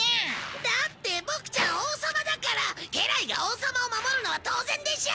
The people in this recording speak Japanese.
だってボクちゃん王様だから家来が王様を守るのは当然でしょ！